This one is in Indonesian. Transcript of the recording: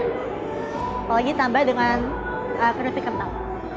apalagi ditambah dengan krim pilih kental